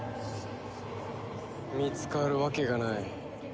見つかるわけがない。